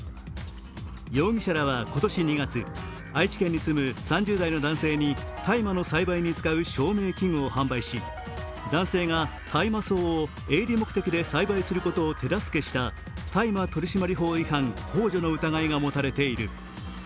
容疑者らは今年２月、愛知県に住む３０代の男性に大麻の栽培に使う照明器具を販売し男性が大麻草を営利目的で栽培することを手助けした大麻取締違反ほう助の疑いが持たれている。